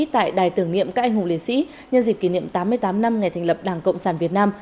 tại đài tưởng niệm các anh hùng liệt sĩ nhân dịp kỷ niệm tám mươi tám năm ngày thành lập đảng cộng sản việt nam